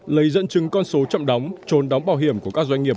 lấy dẫn chứng con số chậm đóng trốn đóng bảo hiểm của các doanh nghiệp